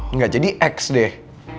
enggak jadi ex deh